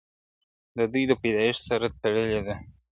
د دوی د پیدایښت سره تړلې ده ,